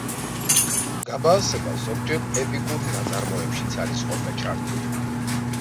გაბაასება ზოგჯერ ეპიკურ ნაწარმოებშიც არის ხოლმე ჩართული.